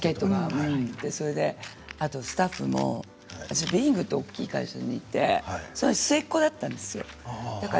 スタッフもウィングという大きい会社にいて末っ子だったんですよ。